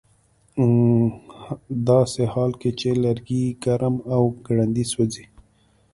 ه داسې حال کې چې لرګي ګرم او ګړندي سوځي